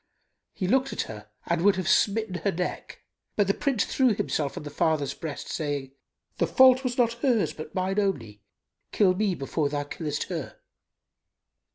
He looked at her and would have smitten her neck: but the Prince threw himself on the father's breast, saying, "The fault was not hers but mine only: kill me before thou killest her."